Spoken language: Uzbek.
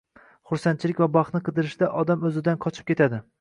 Xursandchilik va baxtni qidirishda odam o'zidan qochib ketadi